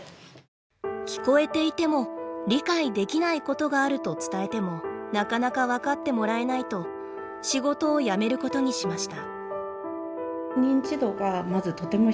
聞こえていても理解できないことがあると伝えてもなかなか分かってもらえないと仕事をやめることにしました。